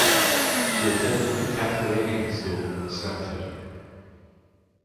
She attended the Catherine Aiken School in Stamford.